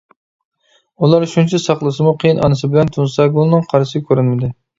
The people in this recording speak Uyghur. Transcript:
ئۇلار شۇنچە ساقلىسىمۇ قىيىن ئانىسى بىلەن تۇنساگۈلنىڭ قارىسى كۆرۈنمىدى.